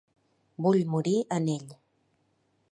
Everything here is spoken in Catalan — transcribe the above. Vull morir en ell.